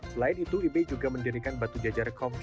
selain itu ibe juga mendirikan batu jajar kompeti